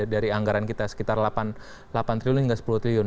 dari anggaran kita sekitar delapan triliun hingga sepuluh triliun